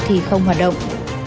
thì không hoạt động